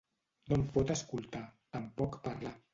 No em pot escoltar, tampoc parlar.